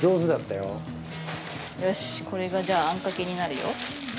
よしこれがじゃああんかけになるよ。